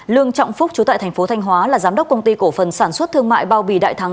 lương trọng phúc chú tại thành phố thanh hóa là giám đốc công ty cổ phần sản xuất thương mại bao bì đại thắng